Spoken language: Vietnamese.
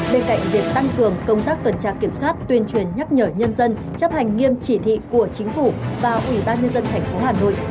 bên cạnh việc tăng cường công tác tuần tra kiểm soát tuyên truyền nhắc nhở nhân dân chấp hành nghiêm chỉ thị của chính phủ và ủy ban nhân dân tp hà nội